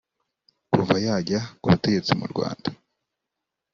kuva yajya ku butegetsi mu Rwanda